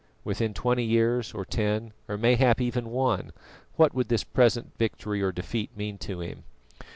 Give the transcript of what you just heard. Within twenty years, or ten, or mayhap even one, what would this present victory or defeat mean to him?